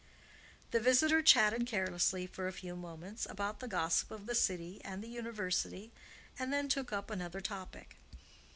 The visitor chatted carelessly for a few moments about the gossip of the city and the university, and then took up another topic.